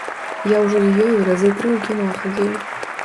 Я ўжо з ёю разы тры ў кіно хадзіў.